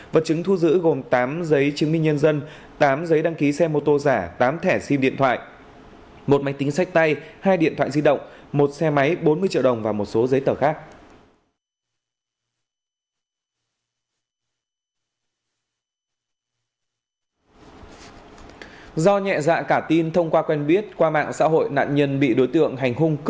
vật chứng thu giữ gồm tám giấy chứng minh nhân dân tám giấy đăng ký xe mô tô giả tám thẻ sim điện thoại một máy tính sách tay hai điện thoại di động một xe máy bốn mươi triệu đồng và một số giấy tờ khác